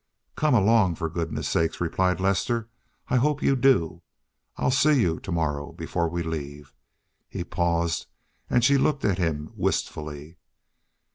"Come along, for goodness sake," replied Lester. "I hope you do.... I'll see you to morrow before we leave." He paused, and she looked at him wistfully.